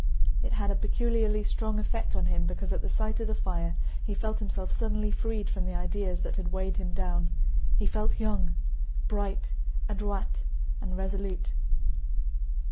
It had a peculiarly strong effect on him because at the sight of the fire he felt himself suddenly freed from the ideas that had weighed him down. He felt young, bright, adroit, and resolute.